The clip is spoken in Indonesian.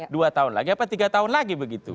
dua tahun lagi apa tiga tahun lagi begitu